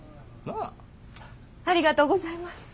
ありがとうございます！